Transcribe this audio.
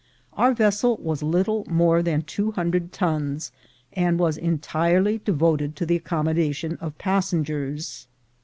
Our vessel was little more than two hundred tons, and was entirely devoted to the accommodation of passengers.